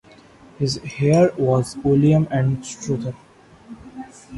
His heir was William Anstruther.